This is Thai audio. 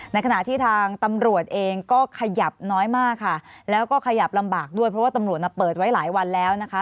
ในขณะที่ทางตำรวจเองก็ขยับน้อยมากค่ะแล้วก็ขยับลำบากด้วยเพราะว่าตำรวจเปิดไว้หลายวันแล้วนะคะ